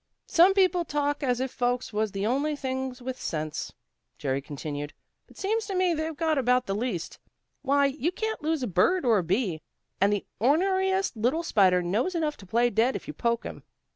"Some people talk as if folks was the only things with sense," Jerry continued, "but seems to me they've got about the least. Why, you can't lose a bird or a bee. And the orneriest little spider knows enough to play dead if you poke him.